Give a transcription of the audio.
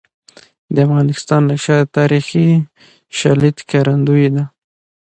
د افغانستان نقشه د تاریخي شالید ښکارندوی ده.